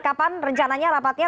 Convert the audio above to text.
kapan rencananya rapatnya